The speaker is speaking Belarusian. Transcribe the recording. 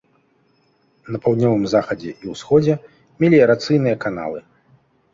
На паўднёвым захадзе і ўсходзе меліярацыйныя каналы.